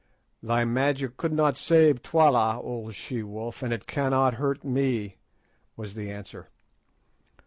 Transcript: "Thy magic could not save Twala, old she wolf, and it cannot hurt me," was the answer.